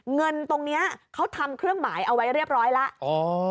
เงินตรงนี้เขาทำเครื่องหมายเอาไว้เรียบร้อยแล้ว